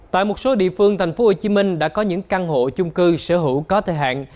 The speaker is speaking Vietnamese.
tại một số địa phương tp hcm đã có những căn hộ chung cư sở hữu có thời hạn